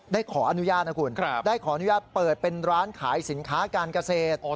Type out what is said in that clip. ได้ขออนุญาตนะคุณได้ขออนุญาตเปิดเป็นร้านขายสินค้าการเกษตร